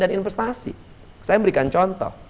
dan investasi saya memberikan contoh